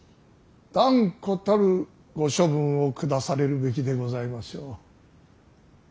断固たるご処分を下されるべきでございましょう。